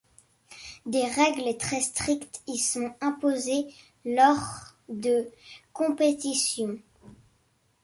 Des règles très strictes y sont imposées lors de compétitions.